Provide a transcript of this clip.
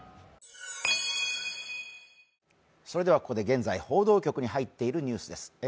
ここで現在、報道局に入っているニュースです。